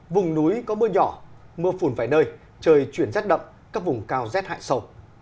vùng núi có mưa nhỏ mưa phùn vài nơi trời chuyển rất đậm các vùng cao rét hại sầu